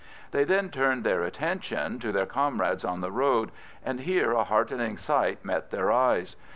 They then turned their attention to their comrades on the road, and here a heartrending sight met their eyes.